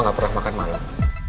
gak pernah makan malam